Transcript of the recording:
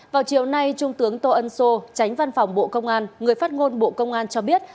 vào chiều nay trung tướng tô ân sô tránh văn phòng bộ công an người phát ngôn bộ công an cho biết